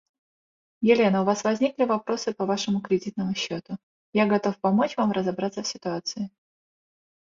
Their style was influenced by the fashion centres of Paris and Milan.